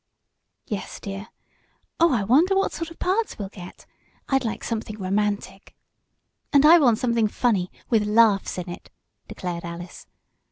"Yes, dear. Oh, I wonder what sort of parts we'll get. I'd like something romantic." "And I want something funny with laughs in it," declared Alice.